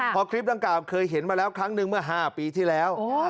พอคลิปดังกล่าเคยเห็นมาแล้วครั้งหนึ่งเมื่อ๕ปีที่แล้ว